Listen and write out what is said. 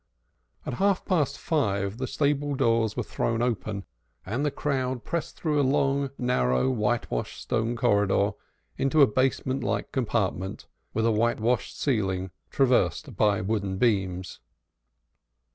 At half past five the stable doors were thrown open, and the crowd pressed through a long, narrow white washed stone corridor into a barn like compartment, with a white washed ceiling traversed by wooden beams.